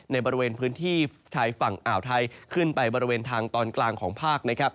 ในบริเวณพื้นที่ชายฝั่งอ่าวไทยขึ้นไปบริเวณทางตอนกลางของภาคนะครับ